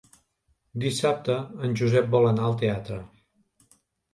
Dissabte en Josep vol anar al teatre.